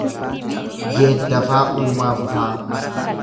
Geeddafaa Uumaa Fufaa